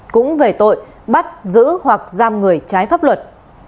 cũng về tội bắt giữ hoặc giam người trái pháp luật